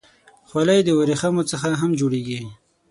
خولۍ د ورېښمو څخه هم جوړېږي.